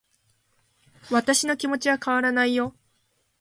私の気持ちは変わらないよ